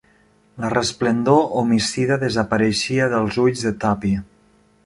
La resplendor homicida desapareixia dels ulls de Tuppy.